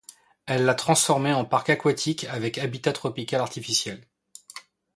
Elle l’a transformé en parc aquatique avec habitat tropical artificiel.